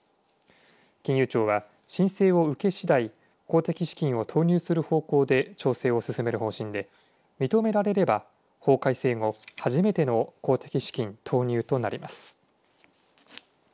金融庁は申請を受け次第公的資金を投入する方向で調整を進める方針で認められれば、法改正後初めての公的資金、投入となります。